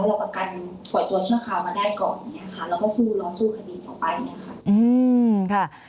แล้วประกันปล่อยตัวเชื่อคามาได้ก่อนแล้วก็รอสู้คดีต่อไป